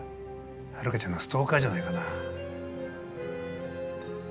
ハルカちゃんのストーカーじゃないかなぁ。